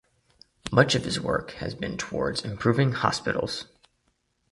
Much of his work has been towards improving hospitals.